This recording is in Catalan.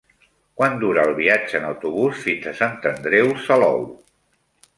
Quant dura el viatge en autobús fins a Sant Andreu Salou?